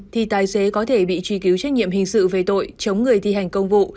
thì tài xế có thể bị truy cứu trách nhiệm hình sự về tội chống người thi hành công vụ